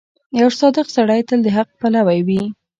• یو صادق سړی تل د حق پلوی وي.